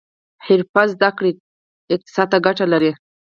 حرفوي زده کړې اقتصاد ته ګټه لري